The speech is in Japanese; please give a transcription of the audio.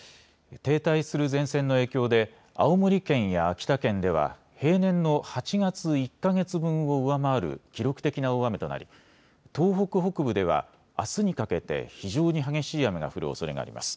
停滞する前線の影響で、青森県や秋田県では、平年の８月１か月分を上回る記録的な大雨となり、東北北部では、あすにかけて、非常に激しい雨が降るおそれがあります。